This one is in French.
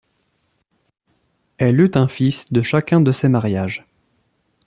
Elle eut un fils de chacun de ses mariages.